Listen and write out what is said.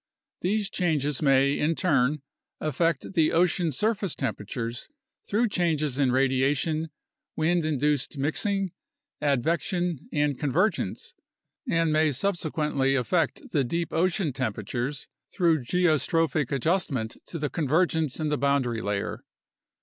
These changes may in turn affect the ocean surface temperatures through changes in radiation, wind induced mixing, advection, and convergence (and may subsequently affect the deep ocean temperatures through geostrophic adjustment to the convergence in the boundary layer).